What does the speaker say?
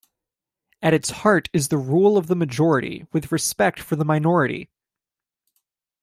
At its heart is the rule of the majority with respect for the minority.